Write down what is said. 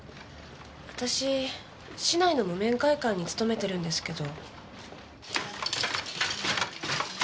私市内の木綿会館に勤めてるんですけど。